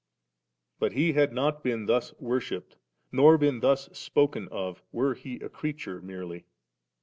34* But He had not been thus worshipped, nor been thus spoken of, were He a creature merelv.